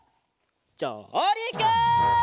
じょうりく！